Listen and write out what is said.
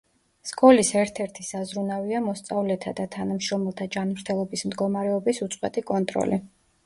სკოლის ერთ-ერთი საზრუნავია მოსწავლეთა და თანამშრომელთა ჯანმრთელობის მდგომარეობის უწყვეტი კონტროლი.